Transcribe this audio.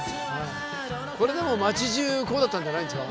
これでも町じゅうこうだったんじゃないですか？